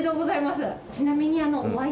ちなみに。